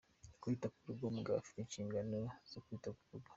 Kwita ku rugo : umugabo afite inshingano zo kwita ku rugo.